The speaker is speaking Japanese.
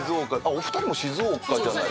お二人も静岡じゃないですか？